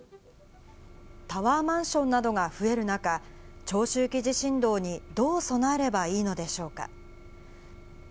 タワーマンションなどが増える中、長周期地震動にどう備えればいいのでしょうか。